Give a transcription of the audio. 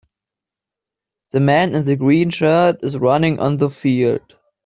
The man in the green shirt is running on the field.